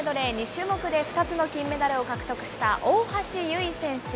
２種目で２つの金メダルを獲得した大橋悠依選手。